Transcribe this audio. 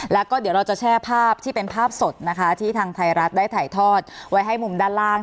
แล้วก็เดี๋ยวเราจะแช่ภาพที่เป็นภาพสดนะคะที่ทางไทยรัฐได้ถ่ายทอดไว้ให้มุมด้านล่าง